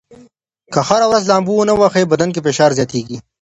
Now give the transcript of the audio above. که هره ورځ لامبو ونه ووهئ، بدن کې فشار زیاتېږي.